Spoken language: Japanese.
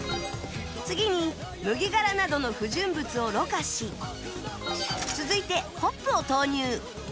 次に麦がらなどの不純物をろ過し続いてホップを投入